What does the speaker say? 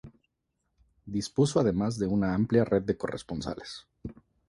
Dispuso además de una amplia red de corresponsales.